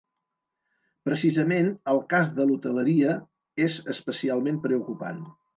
Precisament, el cas de l’hoteleria és especialment preocupant.